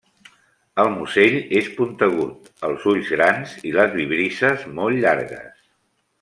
El musell és puntegut, els ulls grans i les vibrisses molt llargues.